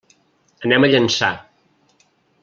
Anem a Llançà.